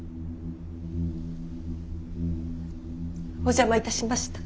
お邪魔いたしました。